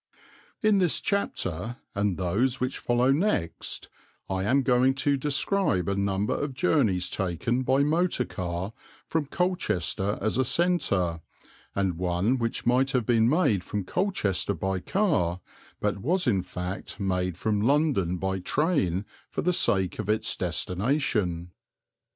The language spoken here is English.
In this chapter, and those which follow next, I am going to describe a number of journeys taken by motor car from Colchester as a centre, and one which might have been made from Colchester by car, but was in fact made from London by train for the sake of its destination.